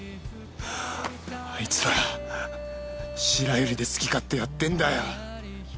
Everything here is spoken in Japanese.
あいつら白百合で好き勝手やってんだよ。